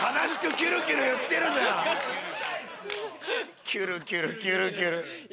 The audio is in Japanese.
キュルキュルキュルキュル。